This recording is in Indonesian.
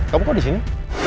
kamu kok disini